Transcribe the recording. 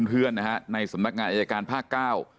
เพื่อนในสำนักงานอัยการภาค๙